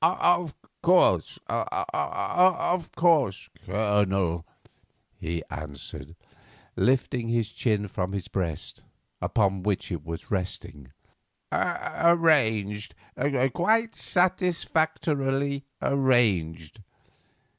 "Of course, of course, Colonel," he answered, lifting his chin from his breast, upon which it was resting, "arranged, quite satisfactorily arranged."